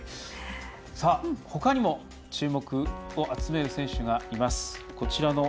ほかにも注目を集める選手がいます。